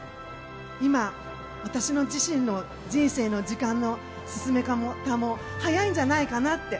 今、私自身の人生の時間の進め方も早いんじゃないかなって。